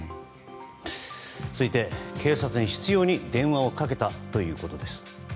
続いて、警察に執拗に電話をかけたということです。